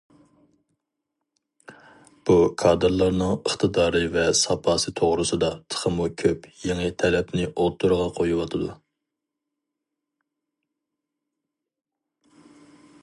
بۇ كادىرلارنىڭ ئىقتىدارى ۋە ساپاسى توغرىسىدا تېخىمۇ كۆپ يېڭى تەلەپنى ئوتتۇرىغا قويۇۋاتىدۇ.